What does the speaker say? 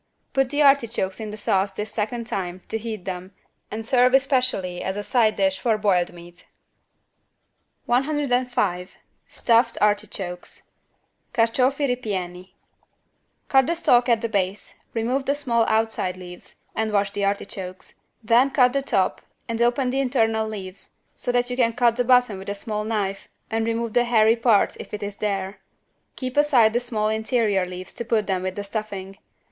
Put the artichokes in the sauce this second time to heat them and serve especially as a side dish for boiled meat. 105 STUFFED ARTICHOKES (Carciofi ripieni) Cut the stalk at the base, remove the small outside leaves and wash the artichokes. Then cut the top and open the internal leaves so that you can cut the bottom with a small knife and remove the hairy part if it is there. Keep aside the small interior leaves to put them with the stuffing.